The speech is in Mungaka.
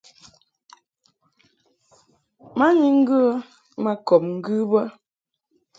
Ma ni ŋgə ma kɔb ŋgɨ bə.